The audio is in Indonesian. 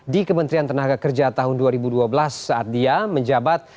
di kementerian tenaga kerja tahun dua ribu dua belas saat dia menjabat